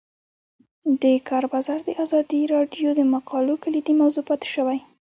د کار بازار د ازادي راډیو د مقالو کلیدي موضوع پاتې شوی.